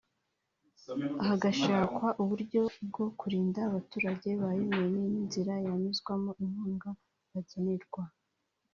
hagashakwa uburyo bwo kurinda abaturage ba Yemen n’inzira yanyuzwamo inkunga bagenerwa